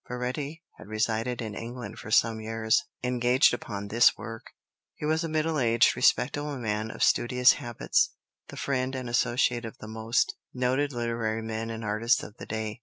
Baretti had resided in England for some years, engaged upon this work; he was a middle aged, respectable man, of studious habits, the friend and associate of the most noted literary men and artists of the day.